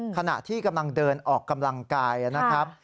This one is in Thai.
ขณะที่กำลังเดินออกกำลังกายนะครับ